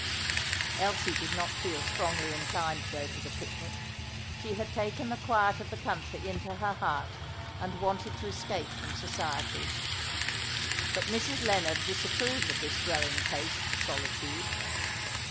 Elsie did not feel strongly inclined to go to the picnic. She had taken the quiet of the country into her heart, and wanted to escape from society. But Mrs. Lennard disapproved of this growing taste for solitude.